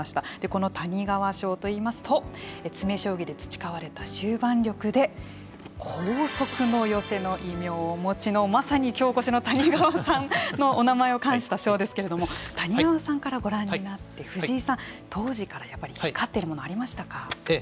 この谷川賞といいますと詰め将棋で培われた終盤力で光速の寄せの異名をお持ちのまさに今日お越しの谷川さんのお名前を冠した賞ですけれども谷川さんからご覧になって藤井さん当時からやっぱり光っているものはありましたか。